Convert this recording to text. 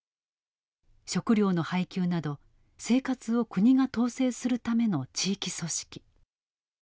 食料の配給など生活を国が統制するための地域組織。